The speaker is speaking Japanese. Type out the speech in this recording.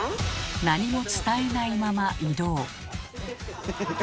何も伝えないまま移動。